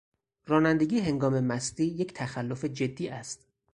رانندگی هنگام مستی یک تخلف جدی است.